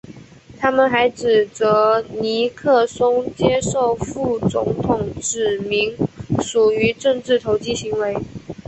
他们还指责尼克松接受副总统提名属于政治投机行为。